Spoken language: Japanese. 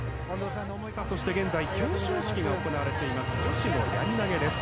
そして現在表彰式が行われています女子のやり投げです。